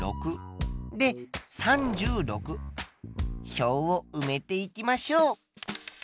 表をうめていきましょう。